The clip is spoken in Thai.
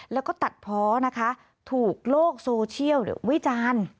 แล้วก็ตัดเพาะนะคะถูกโลกโซเชียลวิจารณ์